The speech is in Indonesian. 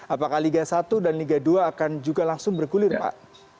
apakah liga satu dan liga dua akan juga langsung bergulir pak